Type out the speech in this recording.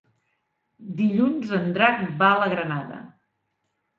Dilluns en Drac va a la Granada.